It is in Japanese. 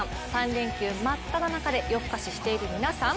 ３連休真っただ中で夜更かししている皆さん。